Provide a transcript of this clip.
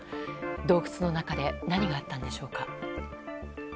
洞窟の中で何があったんでしょうか。